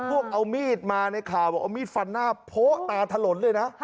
พวกเอามีดมาในข่าวบอกเอามีดฟันหน้าโพะตาถลนเลยนะ